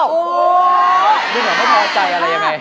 เมื่อก่อนไม่พอใจอะไรยังไง